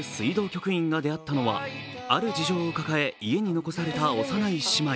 局員が出会ったのはある事情を抱え、家に残された幼い姉妹。